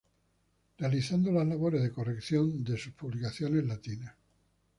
Realizando las labores de corrección de sus publicaciones latinas.